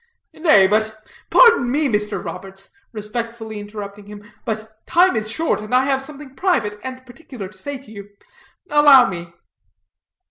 "Nay; but " "Pardon me, Mr. Roberts," respectfully interrupting him, "but time is short, and I have something private and particular to say to you. Allow me."